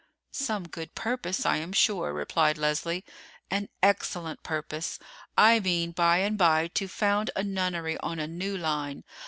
"Some good purpose, I am sure," replied Leslie. "An excellent purpose. I mean by and by to found a nunnery on a new line.